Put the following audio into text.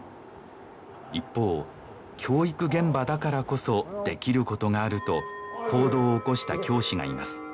一方教育現場だからこそできることがあると行動を起こした教師がいます